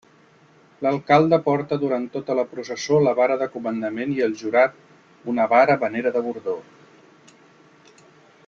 L'alcalde porta durant tota la processó la vara de comandament i el jurat, una vara a manera de bordó.